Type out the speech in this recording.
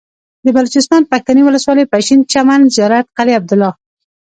د بلوچستان پښتنې ولسوالۍ پشين چمن زيارت قلعه عبدالله